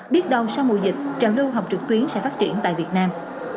biết đâng sau mùa dịch trào lưu học trực tuyến sẽ phát triển tại việt nam